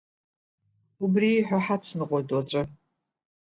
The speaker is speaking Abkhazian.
Убри ииҳәо ҳацныҟәоит уаҵәы.